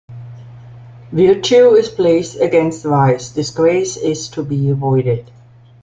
"Virtue" is placed against "Vice", "Disgrace" is to be avoided.